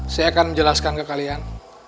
saya akan menjelaskan ke kalian